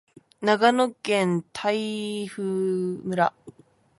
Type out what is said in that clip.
長野県泰阜村